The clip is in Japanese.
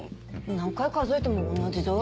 何回数えても同じぞよ。